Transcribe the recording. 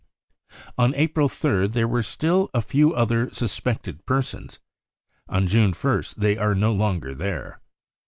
r On April 3rd there were still " a few other suspected persons." On June 1st they are no longer there.